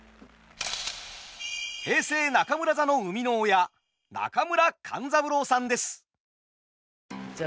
平成中村座の生みの親中村勘三郎さんです。